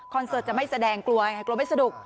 คอนเสิร์ตจะไม่แสดงกลัวไม่สนุก